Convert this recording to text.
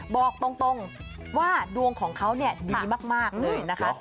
บอกตรงว่าดวงของเขาดีมากเลยนะคะ